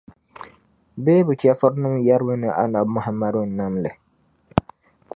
Bee bɛ chɛfurinim yεrimi ni Annabi Muhammadu n-nam li.